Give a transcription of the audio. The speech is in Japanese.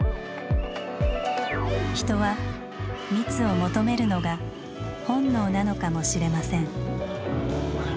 人は「密」を求めるのが本能なのかもしれません。